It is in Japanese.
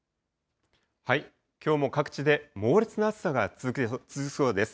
きょうも各地で猛烈な暑さが続きそうです。